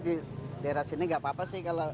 di daerah sini gak apa apa sih